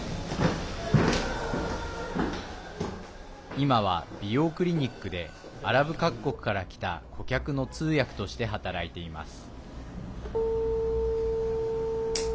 今は美容クリニックでアラブ各国から来た顧客の通訳として働いています。